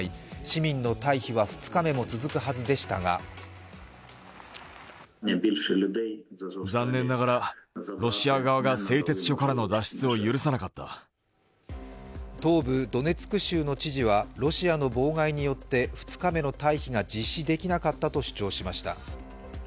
市民の退避は２日目も続くはずでしたが東部ドネツク州の知事は、ロシアの妨害によって２日目の待避が実施できなかったと主張しました。